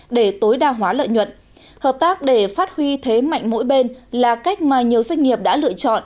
để tối đa hóa lợi nhuận hợp tác để phát huy thế mạnh mỗi bên là cách mà nhiều doanh nghiệp đã lựa chọn